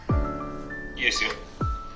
「いいですよ」。